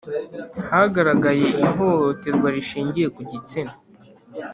Hagaragaye ihohoterwa rishingiye ku gitsina.